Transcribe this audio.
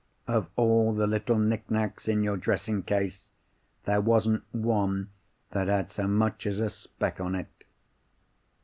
Of all the little knick knacks in your dressing case, there wasn't one that had so much as a speck on it.